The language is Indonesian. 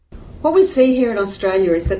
apa yang kita lihat di australia adalah